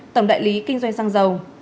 tổng đại lý kinh doanh xăng dầu